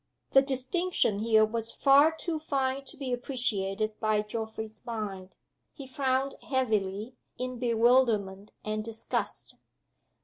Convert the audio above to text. The distinction here was far too fine to be appreciated by Geoffrey's mind. He frowned heavily, in bewilderment and disgust.